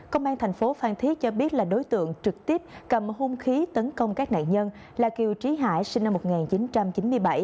công an thành phố phan thiết cho biết là đối tượng trực tiếp cầm hung khí tấn công các nạn nhân là kiều trí hải sinh năm một nghìn chín trăm chín mươi bảy